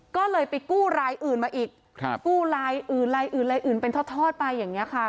ก็เลยไปกู้รายอื่นมาอีกกู้รายอื่นลายอื่นลายอื่นเป็นทอดไปอย่างนี้ค่ะ